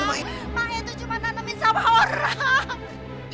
mae itu cuma tantemin sama orang